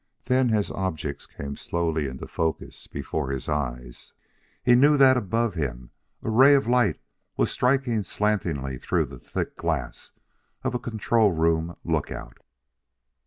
Then, as objects came slowly into focus before his eyes, he knew that above him a ray of light was striking slantingly through the thick glass of a control room lookout.